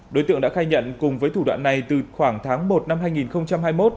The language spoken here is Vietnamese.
đối tượng đã khai nhận cùng với thủ đoạn này từ khoảng tháng một năm hai nghìn hai mươi một